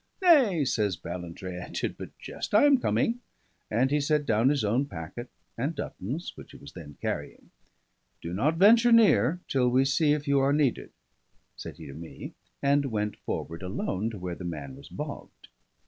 "Nay," says Ballantrae, "I did but jest. I am coming." And he set down his own packet and Dutton's, which he was then carrying. "Do not venture near till we see if you are needed," said he to me, and went forward alone to where the man was bogged.